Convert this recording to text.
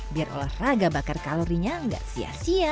biar olahraga bakar kalorinya nggak sia sia